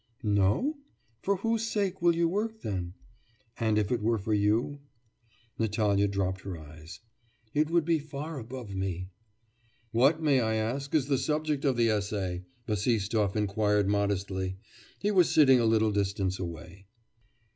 'No? For whose sake will you work then?' 'And if it were for you?' Natalya dropped her eyes. 'It would be far above me.' 'What, may I ask, is the subject of the essay?' Bassistoff inquired modestly. He was sitting a little distance away.